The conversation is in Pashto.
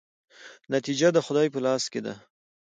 نتیجه د خدای په لاس کې ده؟